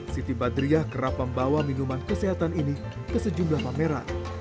siti badriah kerap membawa minuman kesehatan ini ke sejumlah pameran